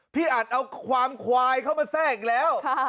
อัดเอาความควายเข้ามาแทรกอีกแล้ว